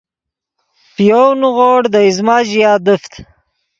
پے یَؤْ نیغوڑ دے ایزمہ ژیا دیفت